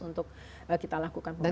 untuk kita lakukan pemeriksaan